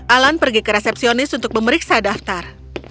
alan pergi ke resepsionis untuk memeriksa daftar